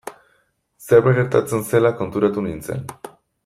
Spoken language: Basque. Zerbait gertatzen zela konturatu nintzen.